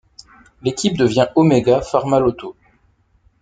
L'équipe devient Omega Pharma-Lotto.